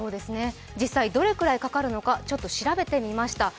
実際、どれくらいかかるのかちょっと調べてみました。